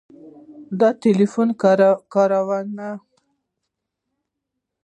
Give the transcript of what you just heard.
د ټیلیفون کارونه